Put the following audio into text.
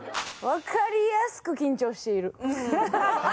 わかりやすく緊張している。